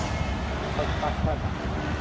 คอนสตรัคชั่น